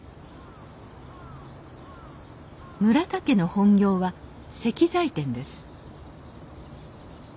村田家の本業は石材店です